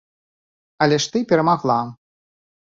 Але ж ты перамагла.